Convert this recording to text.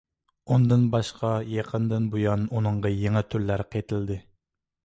ئۇندىن باشقا يېقىندىن بۇيان ئۇنىڭغا يېڭى تۈرلەر قېتىلدى.